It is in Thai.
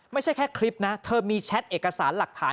ไม่ใช่แค่คลิปนะเธอมีแชทเอกสารหลักฐาน